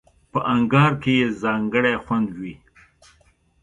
په انگار کې یې ځانګړی خوند وي.